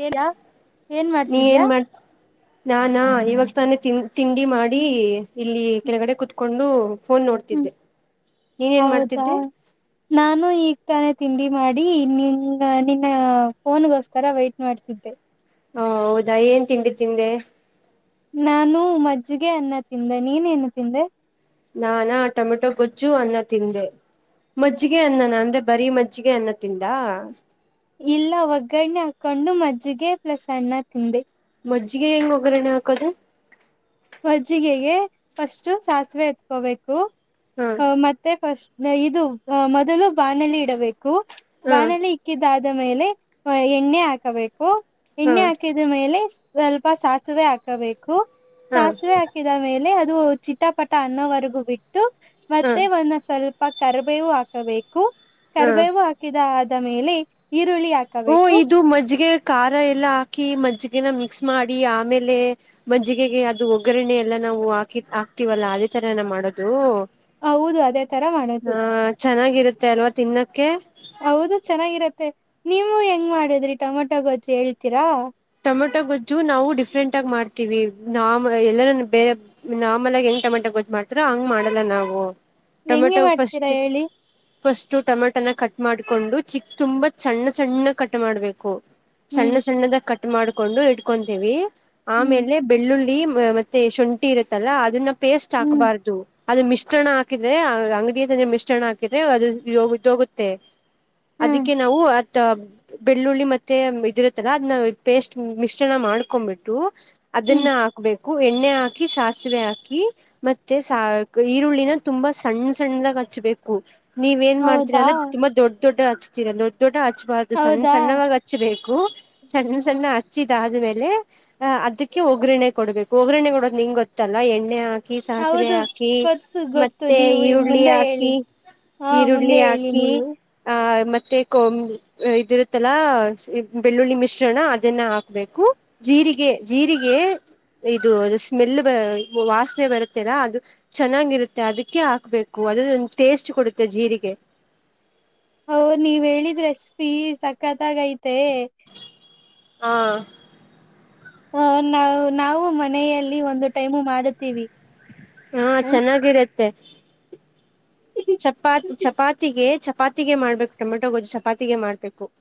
ಹೇರಾ ನೀ ಏನ್ ಮಾಡ ನಾನಾ ಇವಾಗ ತಾನೆ ತಿ ತಿಂಡಿ ಮಾಡಿ ಇಲ್ಲಿ ಕೆಳಗಡೆ ಕುತ್ಕೊಂಡು ಹ್ಮ್ ಹೌದಾ ಮಾಡ್ತಿದ್ದೆ ನಾನು ಈ ತಾನೇ ತಿಂಡಿ ಮಾಡಿ ನಿನ್ ನಿನ್ನ ಫೋನ್ಗೋಸ್ಕರ ವೈಟಟ್ ಮಾಡ್ತಿದ್ದೆ ಹಾ ಹೌದಾ ಏನ್ ತಿಂಡಿ ತಿಂದೆ ನಾನು ಮಜ್ಜಿಗೆ ಅನ್ನ ತಿಂದೆ ನೀನೇನು ತಿಂದೆ ನಾನಾ ಟೊಮೆಟೊ ಗೊಜ್ಜು ಅನ್ನ ತಿಂದೆ ಮಜ್ಜಿಗೆ ಅನ್ನ ನ ಅಂದ್ರೆ ಬರೀ ಮಜ್ಜಿಗೆ ಅನ್ನ ತಿಂದ ಇಲ್ಲ ಒಗ್ಗರಣರಣೆ ಹಾಕೊಂಡು ಮಜ್ಜಿಗೆ ಪ್ಲಸ ಅಣ್ಣ ತಿಂದೆ ಮಜ್ಜಿಗೆ ಹೆಂಗ್ ಒಗ್ಗರಣೆ ಹಾಕೋದ ಹೊಜ್ಜಿಗೆಗೆ ಫಸ್ಟ್ ಸಾಸಿವೆ ಎತ್ಕೋಬೇಕು ಹಾ ಮತ್ತೆ ಫಸ್ಟ್ ಇದು ಮೊದಲು ಬಾನಲಿ ಇಡಬೇಕು ಹಾ ಬಾನಲಿ ಇಕ್ಕಿದ ಮೇಲೆ ಎಣ್ಣೆ ಹಾಕಬೇಕು ಹಾ ಎಣ್ಣೆ ಹಾಕಿದ ಮೇಲೆ ಸ್ವಲ್ಪ ಸಾಸಿವೆ ಹಾಕಬೇಕು ಹಾ ಸಾಸಿವೆ ಹಾಕಿದ ಮೇಲೆ ಚಿಟಪಟ ಅನ್ನೋವರೆಗೂ ಬಿಟ್ಟು ಹಾ ಮತ್ತೆ ಒಂದು ಸ್ವಲ್ಪ ಕರ್ಬೇವು ಹಾಕಬೇಕು ಹಾ ಕರ್ಬೇವು ಹಾಕಿದ ಆದ ಮೇಲೆ ಈರುಳ್ಳಿ ಹಓ ಹಾಕಬೇಕು ಇದು ಮಜ್ಗೆ ಖಾರ ಎಲ್ಲ ಹಾಕಿ ಮಜ್ಜಿಗೆನ ಮಿಕ್ಸ್ ಮಾಡಿ ಆಮೇಲೆ ಮಜ್ಜಿಗೆಗೆ ಅದು ಒಗ್ಗರಣೆ ಎಲ್ಲ ನಾವು ಹಾಕಿ ಆಗ್ತಿವಲ್ಲಾ ಅದೇ ತರ ನ ಮಾಡೋದು ಹೌದು ಅದೇ ತರ ಮಾಡೋದು ಹಾ ಚೆನ್ನಾಗಿರುತ್ತೆ ಅಲ್ವಾ ತಿನ್ನಕ್ಕೆ ಹೌದು ಚೆನ್ನಾಗಿರತ್ತೆ ನೀವು ಹೆಂಗ್ ಮಾಡಿದ್ರಿ ಟೊಮೆಟೊ ಗೊಜ್ಜು ಹೇಳ್ತೀರಾ ಟೊಮೆಟೊ ಗೊಜ್ಜು ನಾವು ಡಿಫ್ರೆಂಟ್ ಆಗ ಮಾಡ್ತೀವಿ ನ ಎಲ್ಲರ ಬೇರೆ ನಾರ್ಮಲ್ ಆಗಿ ಹೆಂಗ ಟೊಮೆಟೊ ಮಾಡ್ತರ ಹಂಗ್ ಮಾಡಲ್ಲ ನಾವು ಹೆಂಗೆ ಟೊಮೆಟೊ ಮಾಡ್ತೀರಾ ಫಸ್ಟ್ ಹೇಳಿ ಫಸ್ಟ್ ಟೊಮೆಟನ ಕಟ್ ಮಾಡ್ಕೊಂಡು ಚಿಕ್ ತುಂಬಾ ಸಣ್ಣ ಸಣ್ಣ ಕಟ್ ಮಾಡ್ಬೇಕು ಸಣ್ಣ ಹ್ಮ್ ಸಣ್ಣದಾಗ ಕಟ್ ಮಾಡ್ಕೊಂಡು ಇಟ್ಕೊಂತೀವಿ ಹ್ಮ್ ಆಮೇಲೆ ಬೆಳ್ಳುಳ್ಳಿ ಮತ್ತೆ ಶುಂಠಿ ಇರುತ್ತಲ್ಲ ಅದನ್ನ ಪೇಸ್ಟ್ ಹ್ಮ್ ಹಾಕ್ಬಾರ್ದ ಅದು ಮಿಶ್ರಣ ಹಾಕಿದ್ರೆ ಅಂಗಡಿಯ ತಂದ ಮಿಶ್ರಣ ಹಾಕಿದ್ರೆ ಅದುೋಗೋಗುತ್ತೆ ಹ್ಮ್ ಅದಕ್ಕೆ ನಾವು ಅತ್ ಬೆಳ್ಳುಳ್ಳಿ ಮತ್ತೆ ಇದಿರತ್ತಲ್ಲ ಅದ್ನ ಪೇಸ್ಟ್ ಮಿಶ್ರಣ ಮಾಡ್ಕೊಬಿಟ್ಟು ಹ್ಮ್ ಅದನ್ನ ಹಾಕ್ಬೇಕು ಎಣ್ಣೆ ಹಾಕಿ ಸಾಸಿವೆ ಹಾಕಿ ಮತ್ತೆ ಈರುಳ್ಳಿನ ತುಂಬಾ ಸಣ್ಣ ಸಣ್ಣದಾ ಹಚ್ಬೇಕು ನೀವು ಏನ್ ಮಾಡ್ತೀರ ಹೌದಾ ಅಂದ್ರೆ ತುಂಬಾ ದೊಡ್ಡ್ ದೊಡ್ಡ್ ಹಚ್ತಿರಾ ದೊಡ್ಡ್ ದೊಡ್ಡೊ ಹಚ್ಚುಬಾರದು ಹೌದಾ ಸಣ್ಣಸಣ್ಣವಾಗಿ ಹಚ್ಚಚ್ಬೇಕು. ಚ ಚೆನ್ನ ಹಚ್ಚಿದಾದ್ಮೇಲೆ ಅ ಅದಕ್ಕೆ ಒಗ್ಗರಣೆ ಕೊಡಬೇಕು ಒಗ್ಗರಣೆ ಕೊಡೋದು ನಿಂಗ್ ಗೊತ್ತಲ್ಲ ಎಣ್ಣೆ ಹಾ ಹಾಕಿ ಸಾಸಿವೆ ಹೌದು ಹಾಕಿ ಗೊತ್ತು ಗೊತ್ತು ಮತ್ತೆ ನೀವು ಈ- ಈರುಳ್ಳಿ ಮುಂದೆ ಹೇಳಿ ಹಾಕಿ. ಹಾ ಈರುಳ್ಳಿ ಮುಂದೆ ಹೇಳಿ ಹಾಕಿ ನೀವು ಆ ಮ ತ್ತೆ ಇದಿರುತ್ತಲ್ಲ ಬೆಳ್ಳುಳ್ಳಿ ಮಿಶ್ರಣ. ನ್ನ ಹಾಕ್ಬೇಕು ಜೀರಿಗೆ ಜೀರಿಗೆ. ಇದು ಅದು ಸ್ಮೆಲ್ ವಾಸನೆ ಬರುತ್ತಲಾ ಅದು ಚೆನ್ನಾಗಿರುತ್ತೆ ಅದಕ್ಕೆ ಹಾಕ್ಬೇಕು. ಒಳಗಿಂದು ಟೇಸ್ಟ್ ಕೊಡುತ್ತೆ ಜೀರಿಗೆ. ಹೋ ನೀವ್ ಹೇಳಿದು ರೆಸಿಪಿ ಸಕತ್ತಾಗಿ ಐತೆ. ಹಾ ಹ ನಾವ್ ನಾವು ಮನೆಯಲ್ಲಿ ಒಂದು ಟೈಮು ಮಾಡುತ್ತೀವಿ. ಹಾ ಹ್ಮ್. ಚೆನ್ನಾಗಿರತ್ತೆ. ಚಪಾತಿ ಚಪಾತಿಗೆ ಚಪಾತಿಗೆ ಮಾಡ್ಬೇಕು ಟೊಮೆಟೊ ಗೊಜ್ಜು ಚಪಾತಿಗೆ ಮಾಡ್ಬೇಕು. [inaudible]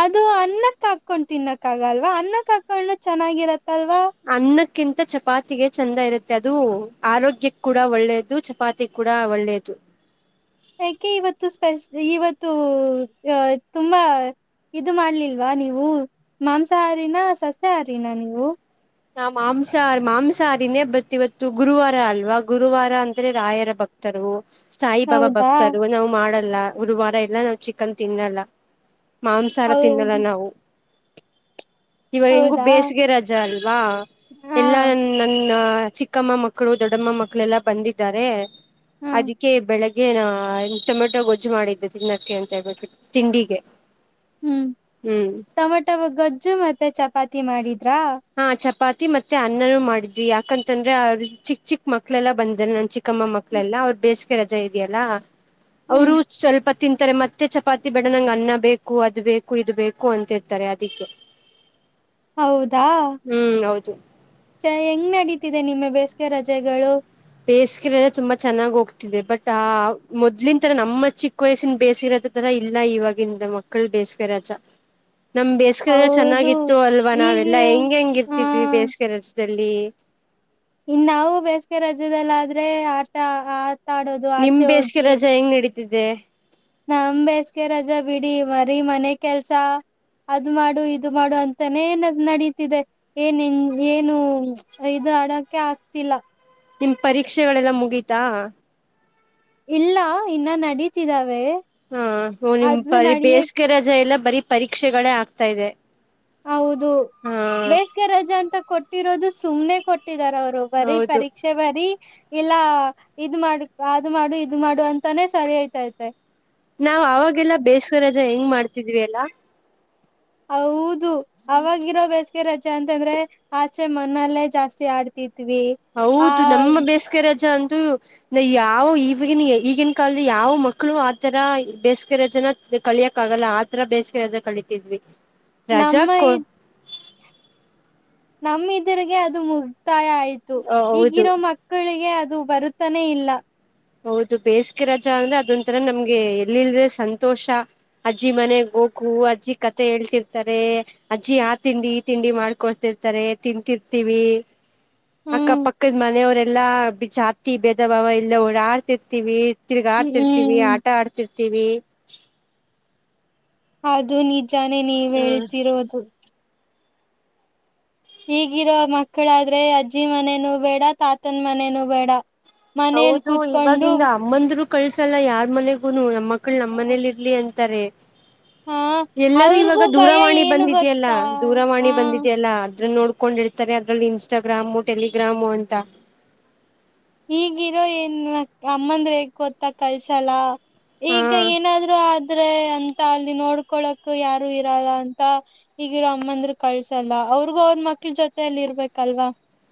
ಅದು ಅನ್ನಕ್ಕ ಹಾಕೊಂಡ್ ತಿನ್ನಕ್ಕಗಲ್ವಾ ಅನ್ನಕ್ ಹಾಕೊಂಡು ಚೆನ್ನಾಗಿರತ್ತಲ್ವಾ. ಕಿಂತ ಚಪಾತಿಗೆ ಚಂದ ಇರುತ್ತೆ ಅದು ಆರೋಗ್ಯಕ್ ಕೂಡ ಒಳ್ಳೇದು ಚಪಾತಿ ಕೂಡ ಒಳ್ಳೇದು. [inaudible] ಯಾಕೆ ಇವತ್ತು ಸ್ಪೈಸಿ ಇವತ್ತು ಅ ತುಂಬಾ. ಇದು ಮಾಡ್ಲಿಲ್ವಾ ನೀವು ಮಾಂಸಾಹಾರಿನ ಸಸ್ಯಹಾರಿನ ನೀವು. ನ ಮಾಂಸಾಹಾರಿ ಮಾಂಸಾಹಾರಿನೇ ಬತ್ ಇವತ್ತು ಗುರುವಾರ ಅಲ್ವಾ ಗುರುವಾರ ಅಂದ್ರೆ ರಾಯರ ಭಕ್ತರು. ಸಾಯಿಬಾಬಾ ಹೌದಾ ಭಕ್ತರು ನಾವ್ ಮಾಡಲ್ಲ ಗುರುವಾರ ಎಲ್ಲಾ ನಾವ್ ಚಿಕನ್ ತಿನ್ನಲ್ಲ. ಮಾಂಸಾರ ಹೌ ತಿನ್ನಲ್ಲ ನಾವು. ಇವಾಗ ಹೆಂಗು ಹೌದಾ ಬೇಸಿಗೆ ರಜಾ ಅಲ್ವಾ ಹಾ ಎಲ್ಲಾ ನನ್ ನನ್ನ. ಚಿಕ್ಕಮ್ಮ ಮಕ್ಕಳು ದೊಡ್ಡಮ್ಮ ಮಕ್ಕಳೆಲ್ಲಾ ಬಂದಿದ್ದಾರೆ ಹಾ ಅದಿಕ್ಕೆ ಬೆಳಗ್ಗೆ ಏನ ಟೊಮೆಟೊ ಗೊಜ್ಜು ಮಾಡಿದ್ದೆ ತಿನ್ನಕ್ಕೆ ಅಂತ ಹೇಳ್ಬಿಟ್ಟಬಿಟ್ಟು ತಿಂಡಿಗೆ. ಹ್ಮ್ ಹ್ಮ್ ಟಮಟೋ ಗೊಜ್ಜು ಮತ್ತೆ ಚಪಾತಿ ಮಾಡಿ ಹಾ ಚಪಾತಿ ಮತ್ತೆ ಅನ್ನನೂ ಮಾಡಿದ್ವಿ ಯಾಕಂತಂದ್ರೆ ಚಿಕ್ ಚಿಕ್ ಮಕ್ಳೆಲ್ಲಾ ಬಂದ ನನ್ ಚಿಕ್ ಕ್ಕಮ್ಮ ಮಕ್ಕಳೆಲ್ಲಾ ಅವ್ರರು ಬೇಸಿಗೆ ರಜೆ ಇದೆಯಲ್ಲ ಹ್ಮ್ ಅವರು ಸ್ವಲ್ಪ. ತಿಂತಾರೆ ಮತ್ತೆ ಚಪಾತಿ ಬೇಡೋಣಂಗೆ ಅನ್ನ ಬೇಕು ಅದು ಬೇಕು ಇದು ಬೇಕು ಅಂತಿರ್ತಾರೆ ಅದಿಕ್ಕೆ. [inaudible] ಹೌದಾ ಚಯ್ ಹೆಂಗ್ ನಡಿತಿದೆ ನಿಮ್ಮ ಬೇಸಿಗೆ ರಜೆಗಳು. ಬೇಸ್ಗ್ ತುಂಬಾ ಚೆನ್ನಾಗಿ ಹೋಗ್ತಿದೆ ಬಟ್ ಆ ಮೊದ್ಲಿನ್ ತರ ನಮ್ಮ ಚಿಕ್ಕ ವಯಸ್ಸಿನ ಬೇಸಿಗೆರಜ ತರ. ಇಲ್ಲ ಇವಾಗಿಂದ ಮಕ್ಕಳ ಬೇಸಿಗೆರಜ. ನಮ್ ಬೇಸಿಗೆನೆ ಹೌದು ಚೆನ್ನಾಗಿತ್ತು ಅಲ್ವಾ ಈಗ ನಾವೆಲ್ಲಾ ಹೆಂಗ್ ಹೆಂಗ್ ಹ ಇರ್ತಿದ್ವಿ ಬೇಸ್ಗೆರಜ್. ದಲ್ಲಿ ಇನ್ ನಾವು ಬೇಸಿಗೆ ರಾಜ್ಯದಲ್ಲಾದ್ರೆ ಆಟ ಆ ನಿಮ್ಮ್ ಬೇಸಿಗೆ ರಜಾ ಹೆಂಗ್ ನಡೀತಿದೆ. ನಮ್ ಬೇಸಿಗೆ ರಜಾ ಬಿಡಿ ಬರೀ ಮನೆ ಕೆಲ್ಸ. ಅದು ಮಾಡು ಇದು ಮಾಡು ಅಂತಾನೇ ನಡೀತಿದೆ ಏನನ್ ಏನು ಇದು. ಯಾಡಕೆ ಆಗ್ತಿಲ್ಲ. ನಿಮ್ ಪರೀಕ್ಷೆಗಳೆಲ್ಲ ಮುಗೀತಾ. ಇಲ್ಲ ಇನ್ನ ನಡೀತಿದಾವೆ. ಹಾ ನಿಮ್ ಅದು ಬರಿ ನಡಿಯಕ್ ಬೇಸಿಗೆ ರಜೆ ಎಲ್ಲಾ ಬರೀ ಪರೀಕ್ಷೆಗಳೇ ಆಗ್ತಾ ಇದೆ. ಹೌದು ಹಾ ಬೇಸಿಗೆ ರಜೆ ಅಂತ ಕೊಟ್ಟಿರೋದು ಸುಮ್ನೆ. ಇಟ್ಟಿದಾರ್ ಅವರು ಬರೀ ಹೌದು ಪರೀಕ್ಷೆ ಬರೀ. ಇಲ್ಲಾ ಇದ್ ಮಾಡ ಅದ್ ಮಾಡು ಇದ್ ಮಾಡು ಅಂತಾನೇ ಸರಿ ಆಯ್ತೈತೆ. ನಾವ್ ಅವಾಗೆಲ್ಲಾ ಬೇಸಗೆರಜ ಹೆಂಗ್ ಮಾಡ್ತಿದ್ವಿ ಅಲ್ಲ ಹೌದು ಅವವಾಗಿರೋ ಬೇಸ ರಜೆ ಅಂತಂದ್ರೆ ಆಚೆ ಮನಲ್ಲೇ ಜಾಸ್ತಿ ಆಡ್ತಿದ್ ಹೌದು ನಮ್ಮ ಬೇಸಿಗೆ ರಜಾ ಅಂ ಯಾವ ಈಗಿನ ಈಗಿನ ಕಾಲದಲ್ಲಿ ಯಾವ ಮಕ್ಕಳು ಆತರ ಬೇಸಿಗೆರಜನ ಇ ಕಲಿಯಕ್ ಆಗಲ್ಲ ಆತರ ಬೇಸಿಗೆ ರಜಾ ಕಲಿತಿದ್ವಿ ರಜಾ ನಮ್ಮ ಕೊ ನಮಿದ್ರರಿಗೆ ಅದು ಮುಗತಾಯ ಆಯ್ತು ಹೌದು ಈಗಿರೋ ಮಕ್ಕಳಿಗೆ ಅದು ಬರುತ್ತಾನೇ ಇಲ್ಲ ಹೌದು ಬೇಸಿಗೆ ರಜಾ ಅಂದ್ರೆ ಅದೊಂತರ ನಮ್ಗೆ ಎಲ್ಲಿಲ್ದೆೆ ಸಂತೋಷ ಅಜ್ಜಿ ಮನೆಗೋ ಗೂ ಅಜ್ಜಿ ಕತೆ ಹೇಳ್ತಿರ್ತಾರೆ ಅಜ್ಜಿ ಆ ತಿಂಡಿ ಈ ತಿಂಡಿ ಮಾಡ್ಕೊಡ್ತಿರ್ತಾರೆ ತಿಂತರ್ ತಿವಿ ಹ್ಮ್ ಅಕ್ಕಪಕ್ಕದ ಮನೆಯವರೆಲ್ಲಾ ಜಾತಿ ಭೇದ ಭಾವ ಇಲ್ಲ್ದೆ ಆಡ್ತಿರ್ತಿವಿ ತಿರ್ಗಾಡ್ತಿರ್ತಿವಿ ಹ್ಮ್ ಆಟ ಆಡ್ತಿರ್ತಿವಿ ಅದು ನಿಜಾನೇ ನೀವ ಹೇಳ್ತಿರೋದು ಈಗಿರೋ ಮಕ್ಕಳಾದ್ರೆ ಅಜ್ಜಿ ಮನೇನೂ ಬೇಡ ತಾತನ್ ಮನೇನೂ ಬೇಡ ಮನೇಲಿ ಹೌದು ಕೂತ್ಕೊಂಡು ಇವಾಗಿಂದ ಹಮ್ಮಂದರು ಕಳ್ಸಲ್ಲ ಯಾರ್ ಮನೆಗೂನು ನಮ್ಮ ಮಕ್ಳು ನಮ್ಮ ಮನೇಲಿ ಇರ್ಲಿ ಅಂತಾರೆ ಹಾ ಎಲ್ಲರೂ ಅವ್ರಿಗೂ ಇವಾಗ ಭಯ ದೂರವಾಣಿ ಏನು ಬಂದಿದ್ಯಲ್ಲಾ ಗೊತ್ತಾ ದೂರವಾಣಿ ಹ ಬಂದಿದ್ಯಲ್ಲ ಅದ್ರನ್ನ ನೋಡ್ ಹಕೊಂಡಿರ್ತಾರೆ ಅದ್ರಲ್ಲಿ ಇನ್ಸ್ಟಾಗ್ರಾಮು ಟೆಲಿಗ್ರಾಮು ಅಂತ ಈಗಿರೋ ಏನ್ ಅಮ್ಮಂದ್ರಗ್ ಗೊತ್ತ ಕಲ್ಸಲ್ಲ ಹಾ ಈಗ ಏನಾದ್ರು ಆದ್ರೆ ಅಂತ ಅಲ್ಲಿ ನೋಡ್ಕೊಳಕ್ ಯಾರು ಇರಲ್ಲ ಅಂತ ಈಗಿರೋ ಅಮ್ಮಂದ್ರ ಕಳ್ಸಲ್ಲ ಅವ್ರಿಗೂ ಅವ್ರ ಮಕ್ಳ ಮಕ್ಕ ಜೊತೆಯಲ್ಲಿ ಇರ್ಬೇಕಲ್ವಾ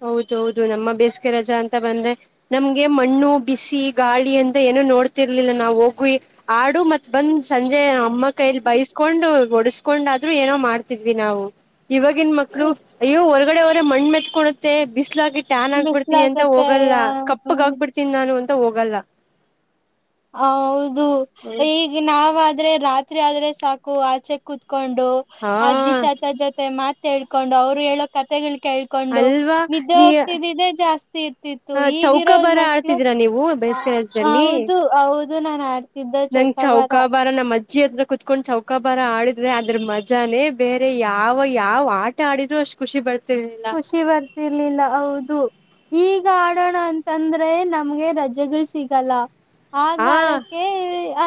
ಹೌದೌದು ನಮ್ಮ ಬೇಸಿಗೆ ರಜಾ ಅಂತ ಬಂದ್ರೆ ನಮ್ಗೆ ಮಣ್ಣು ಬಿಸಿ ಗಾಳಿ ಅಂತ ಏನೋ ನೋ ಗೊತ್ತಿರ್ಲಿಲ್ಲ ನಾವು ಹೋಗ್ವಿ ಆಡು ಮತ್ ಬಂದ್ ಸಂಜೆ ಅಮ್ಮ ಕೈಲ್ಲಿ ಬೈಸ್ಕೊಂಡು ಡಸ್ಕೊಂಡು ಆದ್ರೂ ಏನೋ ಮಾಡ್ತಿದ್ವಿ ನಾವು ಇವಾಗಿನ ಮಕ್ಕಳು ಅಯ್ಯೋ ಹೊರಗಡೆ ಅವರ ಮಣ್ಣ ಮೆತ್ಕೊಡುತ್ತೆ ಬಿಸಲಾಗಿಟ್ಟ ಟ್ಯಾನ್ ಆಗ್ಬಿಡ್ತೀನಿ ಅಂತ ಹೋಗಲ್ಲ ಕಪ್ಪಗ ಬಿಸ್ಲಾಗತ್ತೆ ಆಗ್ಬಿಡ್ತೀನಿ ನಾನು ಅಂತ ಹೋಗಲ್ಲ ಹ ಹೌದು ಈಗ ನಾವ ಆದ್ರೆ ರಾತ್ರಿ ಆದ್ರೆ ಸಾಕು ಆಚೆ ಕೂತ್ ಕೊಂಡು ಹಾ ಅಜ್ಜಿ ತಾತ ಜೊತೆ ಮಾತೇಡ್ಕೊಂಡು ಅವ್ರು ಹೇಳೋ ಕತೆೆಗಳ ಕೇಳ್ಕೊಂಡು ಅಲ್ವಾ ನಿದ್ದೆ ನೀ ಹೋಗ್ತಿದ್ದ್ರೆ ಜಾಸ್ತಿ ಇರ್ತಿತ್ತು ಈಗಿರೋದ ಮಕ್ಳು ಆ, ಬೇಸಿಗೆಜಲ್ಲಿ ಹೌದು ಹೌದು ನಾನ್ ಆಡ್ತ ನಂ ಚೌಕಾ ಬಾರ ನಮ್ಮ ಮಜ್ಜ ಜಿತ್ರ [unintelligible] ಕುೂತ್ಕೊಂಡ್ ಚೌಕಾ ಬರ ಆಡಿದ್ರೆ ಅದ್ರ ಮಜಾನೇ ಬೇರೆ ಯಾವ ಯಾವ ಆಟ ಆಡಿದ್ರು ಅಷ್ಟ ಖುಿರ್ [unintelligible] ಖುಷಿ ಬರ್ತಿರ್ಲಿಲ್ಲ ಹೌದು ಈಗ ಗಾರ್ಡಣ ಅಂತಂದ್ರೆ ನಮ್ಗೆ ರಜೆಗಳು ಸಿಗಲ್ಲ ಆ ಗಾರ್ಡಕ್ಕೆ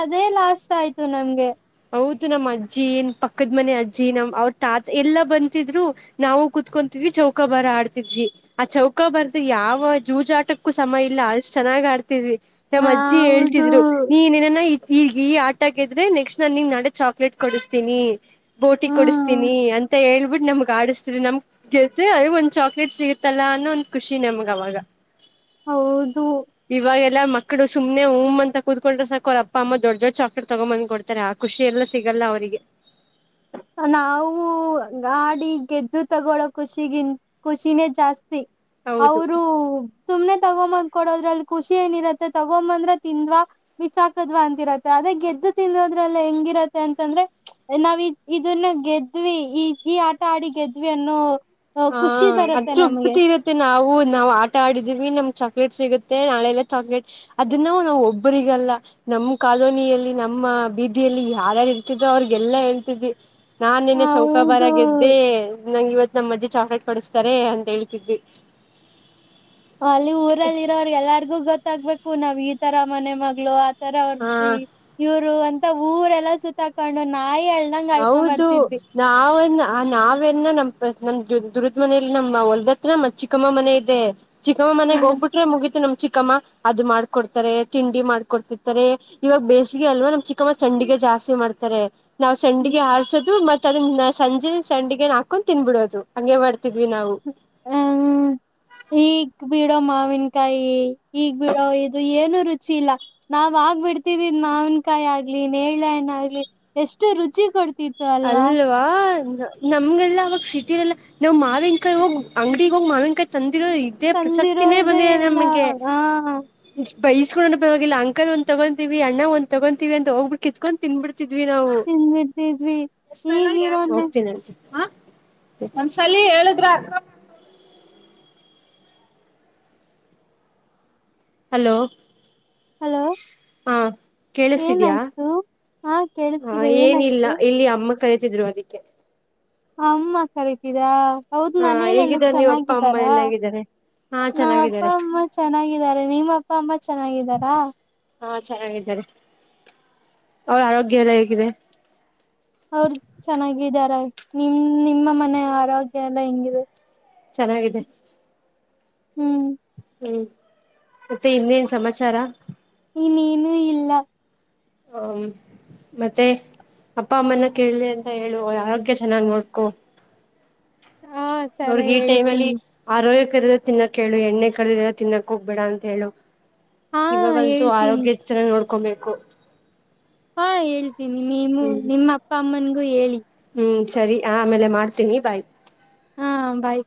ಅದೇ ಲಾಸ್ಟ್ ಆಯ್ತು ನಮ್ಗೆ ಹೌದು ನಮ್ಮ್ ಅಜ್ಜಿ ಪಕ್ಕದ ಮನೆ ಅಜ್ಜಿ ನಮ್ ಅವ್ರ ತಾತ ಎಲ್ಲಾ ಬಂತಿದ್ರು ನಾವು ಕುೂತ್ಕೊವಿ ವಿ ಚೌಕಾ ಬರ ಆಡ್ತಿದ್ವಿ ಆ ಚೌಕ ಬರ ಯಾವ ಜೂಜಾಟಕ್ಕೂ ಸಮಯ ಇಲ್ಲ ಅಷ್ಟ್ ಚೆನ್ನಾಗಿ ಆಡ್ತಿದ್ವಿ ಹ ನಮ್ಮ್ ಅಜ್ಜಿ ಹೌದು ಹೇಳ್ತಿದ್ರು ನೀನೇನಾನ ಈಗ ಈ ಆಟ ದ್ರೆ ನೆಕ್ಸ್ಟ್ ನಾನ ನಿಂಗ್ ನಾಡೆ ಚಾಕ್ಲೇಟ್ ಕೊಡಿಸ್ತೀನಿ ಬೋಟಿ ಹ್ಮ್ ಕೊಡಿಸ್ತೀನಿ ಅಂತ ಹೇಳ್ಬಿಟ್ಟ ನಮ್ಗ್ ಆಡಿಸತರಿ ನಮ್ಗ್ ರ್ತ್ರಿ ಅದ ಒಂದ್ ಚಾಕ್ಲೇಟ್ ಸಿಗತ್ತಲ್ಲ ಅನ್ನೋ ಒಂದ್ ಖುಷಿ ನಮ್ಗ ಅವವಾಗ ಹೌದು ಎಲ್ಲ ಮಕ್ಕಳ ಸುಮ್ನೆ ಮ್ ಅಂತ ಕತ್ಕೊಂಡ್ರೆ ಸಾಕ ಅವ ಅಮ್ಮ ದೊಡ್ ಡ್ ಚಾಕ್ಟ್ ತಗೊಂಬಂದ್ ಕೊಡ್ ತರ ಖುಷಿ ಎಲ್ಲ ಸಿಗಲ್ಲ ಅವರಿಗೆ ನಾವು ಗಾಡಿ ಗೆದ್ದು ತಗೊಳೋ ಖುಷಿಗಿನ್ ಖುಷಿನೇ ಜಾಸ್ತಿ [inaudible] ಹೌದು ಅವರು ಸುಮ್ನೆ ತಗೊಂಬಂದ್ ಕೊಡೋದ್ರಲ್ಲಿ ಖುಷಿ ಏನಿರುತ್ತೆ ತಗೊಂಬಂದ್ರೆ ತಿಂದ್ವಾ ಬಿಸಾಕ್ಕೊಟ್ವಾ ಅಂತಿರುತ್ತೆ ಅ ಗೆದ್ದು ತತಿನ್ನೋದ್ರಲ್ಲಿ ಹೆಂಗಿರತ್ತೆ ಅಂತಂದ್ರೆ ನಾವ ಇದನ್ನ ಗೆದ್ವಿ ಈ ಈ ಆಟ ಆಡಿ ಗೆದ್ವಿ ಅನ್ನು ಹಾ ಅದೊಪ್ತಿ ಇರತ್ತೆ ನಾವು ನಾವ್ ಆಟ ಆಡಿದೀವಿ ನಮ್ ಚ ಚಾಕ್ಲೇಟ್ ಸಿಗುತ್ತೆ ನಾಳೆಲ್ಲ ಚಾಕ್ಲೇಟ್ ಅದ ನಾವು ನಾವು ಒಬ್ಬರಿಗಲ್ಲ ನಮ್ಮ್ ಕಾಲೋನಿಯಲ್ಲಿ ನಮ್ಮ ಬೀದಿಯಲ್ಲಿ ಯಾರ್ಯಾರು ಇರ್ತಿದ್ರೋ ಅವ್ರಿಗೆಲ್ಲಾ ಹೇಳ್ತಿದ್ವಿ ನಾನ್ ನಿನ್ನೆ ಚೌಕಾ ಹೌದು ಬರಾಗ ಗೆದ್ದೆ ನಂಗಗೆ ಇವತ್ ನಮ್ಮ್ ಚಾಕ್ಲೇಟ್ ಕೊಡಿಸ್ತಾರೆ ಅಂತ ಹೇಳ್ತಿದ್ವಿ ಅಲ್ಲಿ ಊರಲ್ಲಿ ಇರೋ ಎಲ್ಲಾರಿಗೂ ಗೊತ್ತಾಗ್ಬೇಕು ನಾವ್ ಈ ತರ ಮನೆ ಮಗಳು ಅವ್ರ ಹಾ ಇವರು ಅಂತ ಊರೆಲ್ಲ ಸುತ್ತಕೊಂಡು ನಾಯಿ ಅಳ್ದಂಗ ಅಳ್ಕೊಂಡ್ ಹೌದು ಬರ್ತಿದ್ವಿ ನಾವನ್ನ ನಾವೆನ್ನ ನಪ ನಮ್ದ ದುರದ ಮನೇಲಿ ನಮ್ಮ ಹೊಲ್ದತ್ರ ಮ ಚಿಕ್ಕಮ್ಮ ಮನೆ ಇದೆ ಚಿಕ್ಕಮ್ಮ ಮನೆಗ್ ಹ್ಮ್ ಹೋಗ್ಬಟ್ರೆ ಮುಗಿತತಿ ನಮ ಚಿಕ್ಕ ಚಿಕ್ಕಮ್ಮ ಅದು ಮಾಡ್ಕೊಡ್ತಾರೆ ತಿಂಡಿ ಮಾಡ್ಕೊಡ್ತಿರ್ತಾರೆ ಇವಾಗ ಬೇಸಿಗೆ ಅಲ್ವಾ ನಮ್ ಚಿಕ್ಕಮ್ಮ ಸಂಡಿಗೆ ಜಾಸ್ತಿ ಜಾಸ್ತಿ ಮಾಡ್ತಾರೆ ಹ್ಮ್ ಸಂಡಿಗೆ ಆರ್ಸೋದು ಮತ್ತತ್ ಅದನ್ನ ಸಂಜೆ ಸಂಡಿಗೆನ್ ಹಾಕೊಂಡು ತಿನ್ಬಿಡೋದು ಹಂಗೆ ಬರ್ತ ಹ್ಮ ಹಗ ಬಿಡೋ ಮಾವಿನಕಾಯಿ ಈಗ್ ಬಿಡೋ ಇದು ಏನು ರುಚಿ ಇಲ್ಲ ನಾವ್ ಆಗ್ ಬಿಡ್ತಿದ ನ ಮಾನ್ಕಾಯಿ ಆಗ್ಲಿ ನೇನ ಆಗ್ಲಿ ಎಷ್ಟು ರುಚಿ ಕೊಡ್ ಅಲ್ವಾ ನಮ್ಗೆಲ್ಲಾ ಅವಾಗ ಸಿಟಿ ಎಲ್ಲ ನಾಮಾವಿನಕಾಯಿ ಹೋಗಿ ಅಂಗಡಿಗ ಹೋಗ ಮಾವಿನಕಾಯಿ ತಂದ ರು ಇದೇ ಪ್ರಸಕ್ತಿನೇ ತಂದಿರೋದೇ ಬಂದಿದೆ ಇಲ್ಲ ನಮಗೆ ಹಾ ಬೈಸ್ಕೊಂಡೋ ಬರವಾಗಿ ಅಕಲ್ ಒಂದ್ವಿ ಅಣ್ಣ ಒಂದ ತಗೊಂತೀ ಅ ಹೋಗ್ಬಿಟ್ಟ ಕತ್ಕೊಂಡ್ ತಿನ್ಬಿಟ್ಟ ನಾವು ತಿಂದ್ಬಿಡ್ತಿದ್ವಿ ಈಗಿರೋನ್ನೆ ಹೋಗ್ತೀನಿ ಅಂತೆ ಹ ಒಂದ್ಸಲ ಹೇಳುದ್ರ ಹಲೋ ಹಲೋ ಹಾ ಕೇಳಿಸತಿದ್ಯಾ ಏನಾಯ್ತು ಹಾ ಆ ಕೇಳಿಸ್ತಿದೆ ಏನಿಲ್ಲ ಏನಾಯ್ತು ಇಲ್ಲಿ ಅಮ್ಮ ಕರಿತಿದ್ರು ಅದಕ್ಕೆ ಅಮ್ಮ ಕರಿತಿದಾ ಹೌದ್ ಹಾ ಮನೇಲೆ ಎಲ್ಲ ಹೇಗಿದ್ದಾರೆ ನೀವ್ ಅಪ್ಪ ಅಮ್ಮ ಚೆನ್ನಾಗಿದ್ದಾರಾ ಎಲ್ಲ ಹೇಗಿದ್ದಾರೆ ಹಾ ನಮ್ಮ್ ಅಪ್ಪ ಚೆನ್ನಾಗಿದ್ದಾರೆ ಅಮ್ಮ ಚೆನ್ನಾಗಿದ್ದಾರೆ ನಿಮ್ಮ ಅಪ್ಪ ಅಮ್ಮ ಚೆನ್ನಾಗಿದ್ದಾರಾ ಹಾ ಚೆನ್ನಾಗಿದ್ದಾರೆ ಅವ್ರ ಆರೋಗ್ಯ ಎಲ್ಲ ಹೇಗಿದೆ ಅವರು ಚೆನ್ನಾಗಿದಾರ ನಿಮ ನಿಮ್ಮ ಮನೆಯ ಆರೋಗ್ಯ ಎಲ್ಲ ಹೆಂಗಿದೆ ಚೆನ್ನಾಗಿದೆ ಹ್ಮ್ ಹ್ಮ್ ಮತ್ತೆ ಇನ್ನೇನ್ ಸಮಾಚಾರ ನೀ ನೀನು ಇಲ್ಲ ಹ್ಮ ಮತ್ತೆ ಅಪ್ಪ ಅಮ್ಮನ ಕೇಳಲಿ ಅಂತ ಹೇಳು ಆರೋಗ್ಯ ಚೆನ್ನಾಗ್ ನೋಡ್ಕೊ ಹಾ ಸರ ನೋಡ್ಗಿ ಈ ಟೈಮ್ ಅಲ್ಲಿ ಹೇಳ್ತೀನಿ ಆರೋಗ್ಯ ಕದ ತಿನ್ನಕ್ ಹೇಳು ಎಣ್ಣೆ ಕಳದ್ರ ತಿನ್ನಕ್ ಹೋಗ್ಬೇಡ ಅಂತ ಹೇಳು ಹಾ ಇವಾಗಂತೂ ಹೇಳ್ತೀನಿ ಆರೋಗ್ಯ ಹೆಚ್ಚರಾಗಿ ನೋಡ್ಕೊಬೇಕು ಹಾ ಹೇಳ್ತೀನಿ ನೀವು ಹ್ಮ್ ನಿಮ್ಮ ಅಪ್ಪ ಅಮ್ಮನ್ಗೂ ಹೇಳಿ ಹ್ಮ್ ಸರಿ ಆ ಆಮೇಲೆ ಮಾಡ್ತೀನಿ ಬಾಯ್ ಹಾ ಭಾಯ್